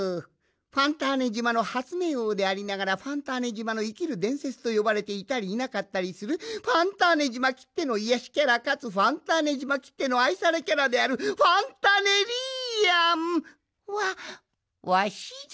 ファンターネ島の発明王でありながらファンターネ島の生きる伝説と呼ばれていたりいなかったりするファンターネ島きっての癒やしキャラかつファンターネ島きっての愛されキャラであるファンタネリアンはわしじゃ。